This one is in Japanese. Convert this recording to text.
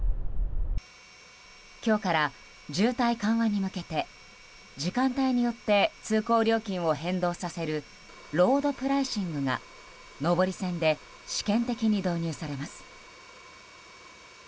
今日から渋滞緩和に向けて時間帯によって通行料金を変動させるロードプライシングが上り線で試験的に導入されます。